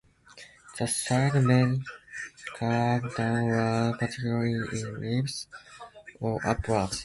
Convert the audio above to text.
The sides may curve downwards (particularly in basal leaves) or upwards.